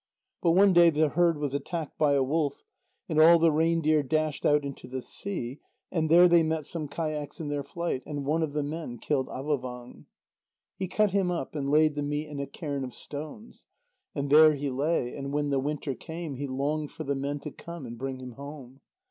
But one day the herd was attacked by a wolf, and all the reindeer dashed out into the sea, and there they met some kayaks in their flight, and one of the men killed Avôvang. He cut him up, and laid the meat in a cairn of stones. And there he lay, and when the winter came, he longed for the men to come and bring him home.